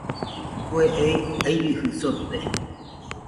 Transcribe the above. Kue ei airɨjɨ sote.